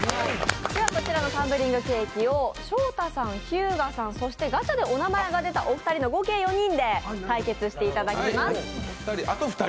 こちらのＴｕｎｂｌｉｎｇＣａｋｅを昇太さん、日向さん、そしてガチャでお名前が出た２人の合計４人で対戦していただきます。